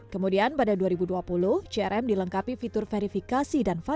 kemudian pada dua ribu dua puluh crm dilengkapi fitur verifikasi dan fakta